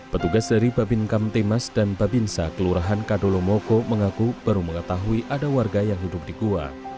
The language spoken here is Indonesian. petugas dari babinkam temas dan babinsa kelurahan kadolomoko mengaku baru mengetahui ada warga yang hidup di goa